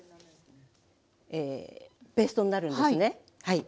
ペーストになるんですねはい。